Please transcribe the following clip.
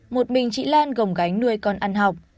một mình chị lan gồng gánh nuôi con ăn học